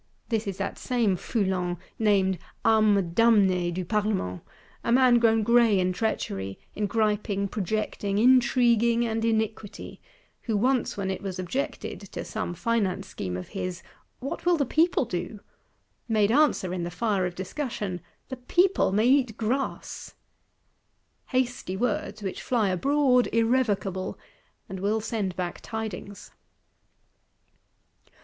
This is that same Foulon named âme damnée du Parlement; a man grown gray in treachery, in griping, projecting, intriguing and iniquity: who once when it was objected, to some finance scheme of his, 'What will the people do?'—made answer, in the fire of discussion, 'The people may eat grass:' hasty words, which fly abroad irrevocable,—and will send back tidings!